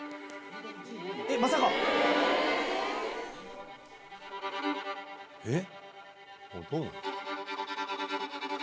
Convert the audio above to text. えっまさか⁉えっ？